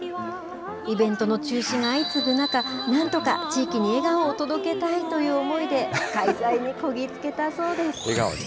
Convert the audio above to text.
イベントの中止が相次ぐ中、なんとか地域に笑顔を届けたいという思いで、開催にこぎ着けたそ笑顔でしたね。